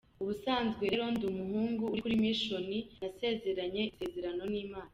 Ubusanzwe rero ndi umuhungu uri kuri mission, nasezeranye isezerano n’Imana.